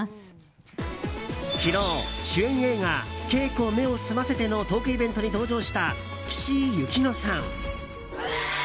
昨日、主演映画「ケイコ目を澄ませて」のトークイベントに登場した岸井ゆきのさん。